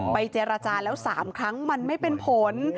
เจรจาแล้ว๓ครั้งมันไม่เป็นผล